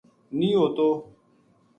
نیہہ ہوتو